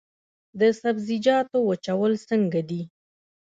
د سبزیجاتو وچول څنګه دي؟